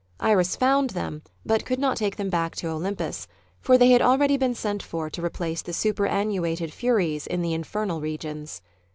Iris found them, but could not take them back to Olympus, for they had akeady been sent for to replace the superannuated Furies in the infernal regions.